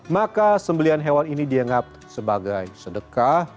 maka sembelian hewan ini dianggap sebagai sedekah